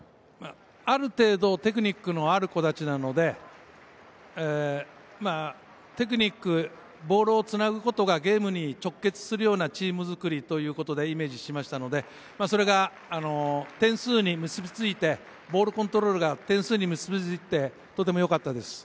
ある程度テクニックのある子達なので、ボールをつなぐことがゲームに直結するようなチーム作りということでイメージしましたので、それが点数に結びついて、ボールコントロールが点数に結びついて、とてもよかったです。